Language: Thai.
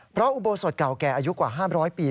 เพราะอุโบสถเก่าแก่อายุกว่าห้ามร้อยปี